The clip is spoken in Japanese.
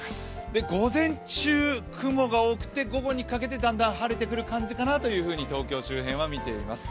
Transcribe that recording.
午前中、雲が多くて午後にかけてだんだん晴れてくる感じかなと東京周辺は見ています。